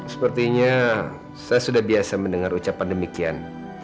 sepertinya saya sudah biasa mendengar ucapan demikian